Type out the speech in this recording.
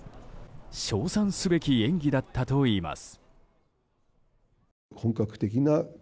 称賛すべき演技だったといいます。